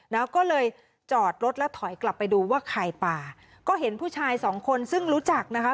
แล้วก็เลยจอดรถแล้วถอยกลับไปดูว่าใครป่าก็เห็นผู้ชายสองคนซึ่งรู้จักนะคะ